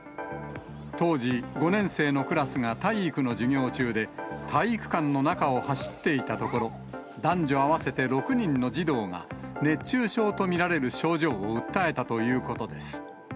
当時、５年生のクラスが体育の授業中で、体育館の中を走っていたところ、男女合わせて６人の児童が、熱中症と見られる症状を訴えたということです。